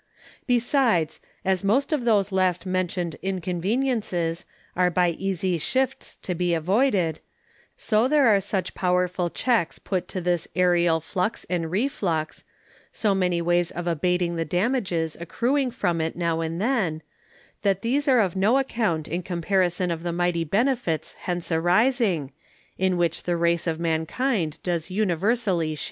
Besides, as most of these last mentioned Inconveniencies are by easy shifts to be avoided; so there are such Powerful Checks put to this Aereal Flux and Reflux, so many ways of abating the Damages accruing from it now and then; that these are of no account in comparison of the mighty Benefits hence arising, in which the Race of Mankind does universally share.